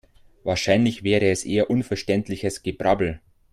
Wahrscheinlich wäre es eher unverständliches Gebrabbel.